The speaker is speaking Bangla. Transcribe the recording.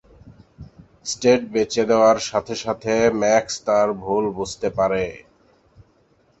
এস্টেট বেচে দেওয়ার সাথে সাথে ম্যাক্স তার ভুল বুঝতে পারে।